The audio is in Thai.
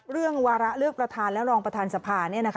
วาระเลือกประธานและรองประธานสภา